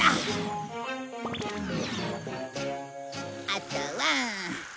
あとは。